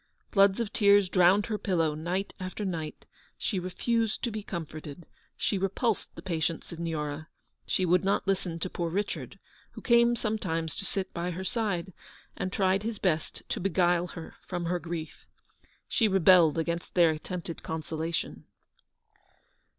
Floods of tears drowned her pillow night after night ; she refused to be comforted ; she repulsed the patient Signora ; she would not listen to poor Richard, who came sometimes to sit by her side, and tried his best to beguile her from her grief. She rebelled against their at tempted consolation.